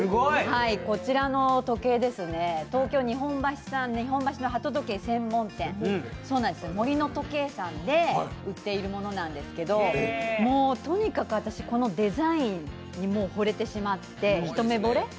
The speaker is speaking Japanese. こちらの時計ですね、東京・日本橋の鳩時計専門店、森の時計さんで売っているものなんですけど、もうとにかくこのデザインにほれてしまって、一目ぼれ？